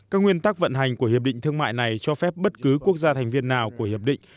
các nguyên tắc vận hành của hiệp định thương mại này cho phép bất cứ quốc gia thành viên nào của hiệp định